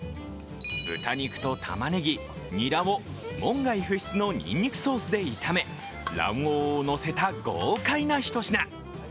豚肉とたまねぎ、ニラを門外不出のニンニクソースで炒め卵黄を乗せた豪快なひと品。